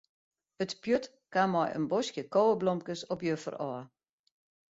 It pjut kaam mei in boskje koweblomkes op juffer ôf.